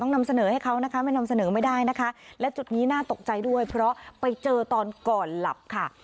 นำเสนอให้เขานะคะไม่นำเสนอไม่ได้นะคะและจุดนี้น่าตกใจด้วยเพราะไปเจอตอนก่อนหลับค่ะ